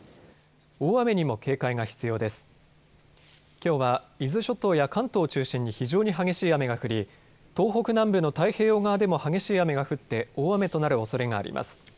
きょうは伊豆諸島や関東を中心に非常に激しい雨が降り東北南部の太平洋側でも激しい雨が降って大雨となるおそれがあります。